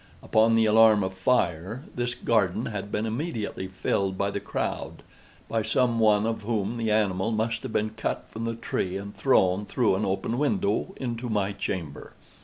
Upon the alarm of fire, this garden had been immediately filled by the crowd—by some one of whom the animal must have been cut from the tree and thrown, through an open window, into my chamber.